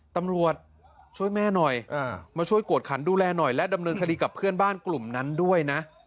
ตำรวจช่วยแม่หน่อยมาช่วยกวดขันดูแลหน่อยและดำเนินคดีกับเพื่อนบ้านกลุ่มนั้นด้วยนะ